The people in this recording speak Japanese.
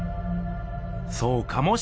そうかもしれません。